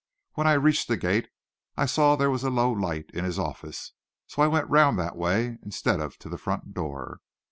When I reached the gate, I saw there was a low light in his office, so I went round that way, instead of to the front door.